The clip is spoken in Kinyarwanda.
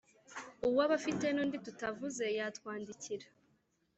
Uwaba afite n’andi tutavuze yatwandikira